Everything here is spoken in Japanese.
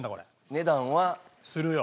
値段は。するよ。